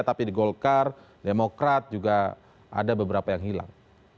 tapi di golkar demokrat juga ada beberapa yang hilang